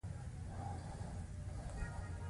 حساسیت پاروونکی ایدیالوژیک رنګ خپل کړ